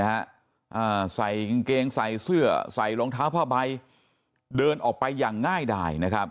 อ่าใส่กางเกงใส่เสื้อใส่รองเท้าผ้าใบเดินออกไปอย่างง่ายดายนะครับ